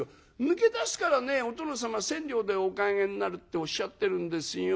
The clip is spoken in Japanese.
抜け出すからねお殿様千両でお買い上げになるっておっしゃってるんですよ。